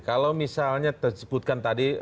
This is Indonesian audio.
kalau misalnya tersebutkan tadi